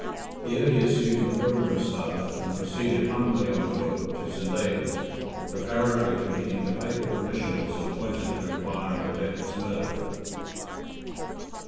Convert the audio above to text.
Here he assumed the Pilgrim's staff, and proceeded humbly on foot to St. David's, preparatory to meeting the Papal Commissioners appointed to inquire into Beckett's murder.